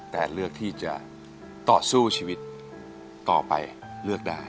แต่เลือกที่จะต่อสู้ชีวิตต่อไปเลือกได้